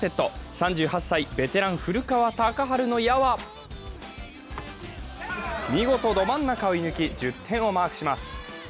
３８歳ベテラン・古川高晴の矢は見事ど真ん中を射ぬき１０点をマークします。